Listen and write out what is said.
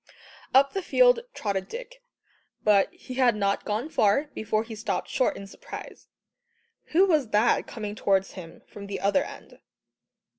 Up the field trotted Dick, but he had not gone far before he stopped short in surprise. Who was that coming towards him from the other end?